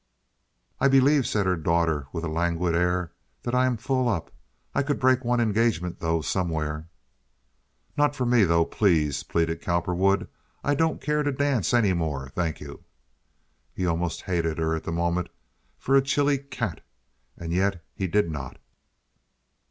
"I believe," said her daughter, with a languid air, "that I am full up. I could break one engagement, though, somewhere." "Not for me, though, please," pleaded Cowperwood. "I don't care to dance any more, thank you." He almost hated her at the moment for a chilly cat. And yet he did not.